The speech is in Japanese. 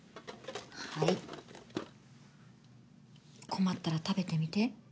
困ったら食べてみて。